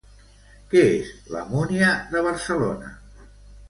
Què és la Múnia de Barcelona?